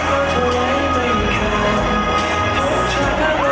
เพราะมันพบเธอแค่เคยรักเธอ